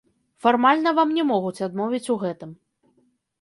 Фармальна вам не могуць адмовіць у гэтым.